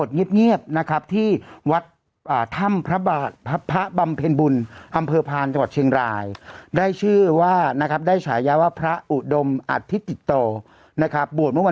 โดยมีวาถะวาระนะครับพิจารณา